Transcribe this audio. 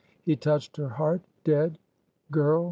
He touched her heart. "Dead! Girl!